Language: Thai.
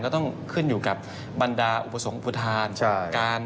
ต้องขึ้นอยู่กับบรรดาอุปสรรคอุทาน